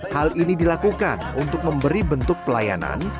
hal ini dilakukan untuk memberi bentuk pelayanan